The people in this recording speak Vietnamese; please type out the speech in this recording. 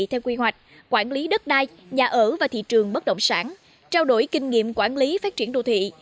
theo quy hoạch quản lý đất đai nhà ở và thị trường bất động sản trao đổi kinh nghiệm quản lý phát triển đô thị